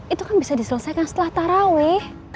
itu kan bisa diselesaikan setelah taraweh